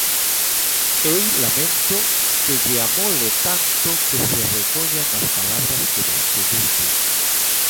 Eu lamento que lle amole tanto que se recollan as palabras que vostedes din.